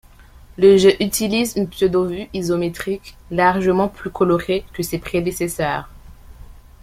Le jeu utilise une pseudo vue isométrique largement plus colorée que ses prédécesseurs.